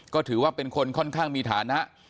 ก็ถือว่าเป็นคนค่อนข้างมีฐานะ